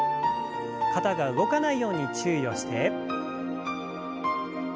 肩が動かないように注意をして。